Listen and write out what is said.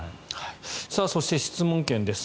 そして、質問権です。